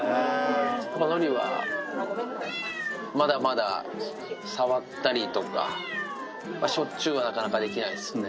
やっぱのりは、まだまだ触ったりとか、しょっちゅうはなかなかできないですね。